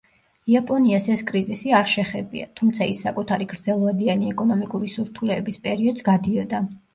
იაპონიას ეს კრიზისი არ შეხებია, თუმცა ის საკუთარი გრძელვადიანი ეკონომიკური სირთულეების პერიოდს გადიოდა.